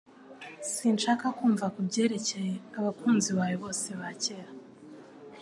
Sinshaka kumva kubyerekeye abakunzi bawe bose bakera